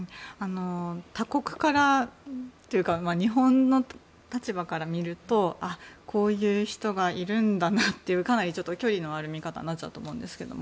他国からというか日本の立場から見るとこういう人がいるんだなっていうかなり距離のある見方になっちゃうと思うんですけど。